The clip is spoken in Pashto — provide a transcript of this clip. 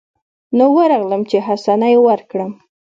نو ورغلم چې حسنه يې وركړم.